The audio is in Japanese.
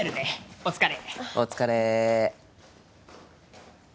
お疲れ